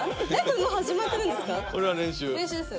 もう始まってるんですか？